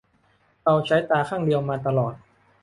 เราใช้ตาข้างเดียวมาตลอด